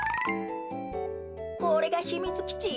これがひみつきち？